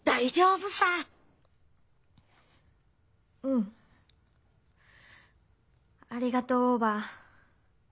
うんありがとうおばぁ。